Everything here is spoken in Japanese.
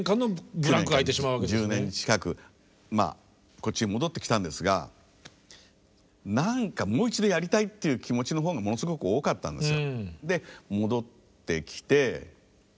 こっちへ戻ってきたんですが何かもう一度やりたいっていう気持ちの方がものすごく多かったですよ。